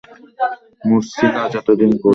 মরছি না যতদিন করি।